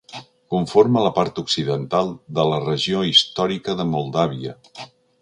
Conforma la part occidental de la regió històrica de Moldàvia.